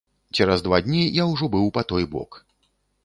Цераз два дні я ўжо быў па той бок.